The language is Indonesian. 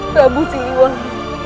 rambu si luar